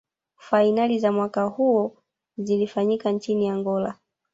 fainali za mwaka huo zilifanyika nchini angola